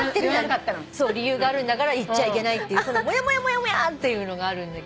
理由があるんだから言っちゃいけないっていうこのもやもやもやっていうのがあるんだけど。